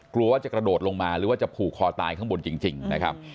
กลัวว่าจะกระโดดลงมาหรือว่าจะผูกคอตายข้างบนจริงนะครับ